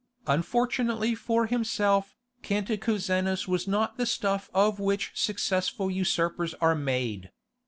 Unfortunately for himself, Cantacuzenus was not of the stuff of which successful usurpers are made.